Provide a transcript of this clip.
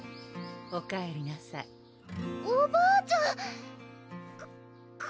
おかえりなさいおばあちゃんこ